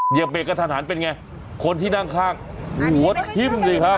เยียบเรกกระทันหาลเป็นไงคนที่นั่งข้างวีวัทธิภูมิค่ะ